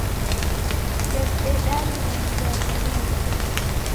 Ndew'idedanya na mndwaw'omi wapo